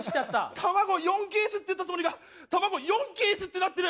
「卵４ケース」って言ったつもりが「卵４京ス」ってなってる！